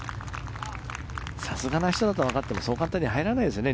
さすがな人だと分かっててもそう簡単には入らないですね